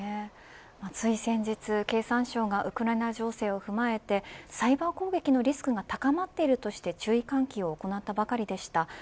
つい先日、経産省がウクライナ情勢を踏まえてサイバー攻撃のリスクが高まっているとして注意喚起を行ったばかりでした。